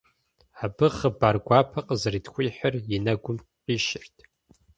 Абы хъыбар гуапэ къызэрытхуихьыр и нэгум къищырт.